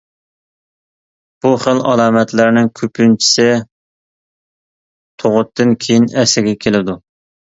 بۇ خىل ئالامەتلەرنىڭ كۆپىنچىسى تۇغۇتتىن كېيىن ئەسلىگە كېلىدۇ.